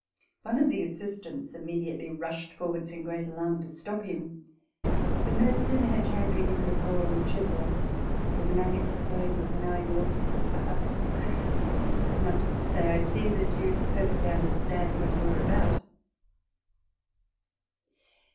One of the assistants immediately rushed forwards, in great alarm, to stop him ; but no sooner had Chantrey given a blow on the chisel than the man exclaimed, with a know ing look, " Ha ! ha !" as much as to say, " I see that you perfectly understand what you are about."